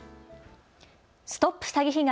ＳＴＯＰ詐欺被害！